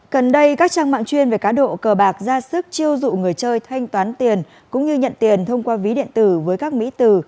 gần đây các trang mạng chuyên về cá độ cờ bạc ra sức chiêu dụ người chơi thanh toán tiền cũng như nhận tiền thông qua ví điện tử với các mỹ từ